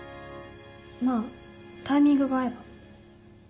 まあタイミングが合えば。